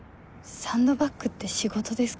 サンドバッグって仕事ですか？